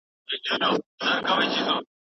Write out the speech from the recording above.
تخنیکي پوهه د پرمختګ بنسټ ده.